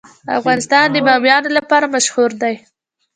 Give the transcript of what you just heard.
افغانستان د بامیان لپاره مشهور دی.